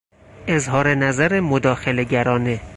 اظهارنظر مداخله گرانه